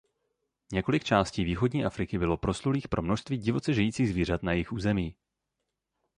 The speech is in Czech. Několik částí východní Afriky bylo proslulých pro množství divoce žijících zvířat na jejich území.